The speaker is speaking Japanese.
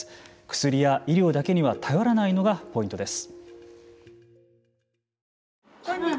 薬や医療だけには頼らないのがポイントです。